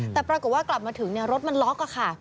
แต่ปรากฏว่ากลับมาถึงรถมันล็อกค่ะ